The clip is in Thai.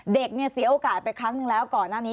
เด็กเนี่ยเสียโอกาสไปครั้งหนึ่งแล้วก่อนหน้านี้